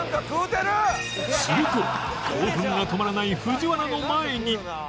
すると興奮が止まらない藤原の前に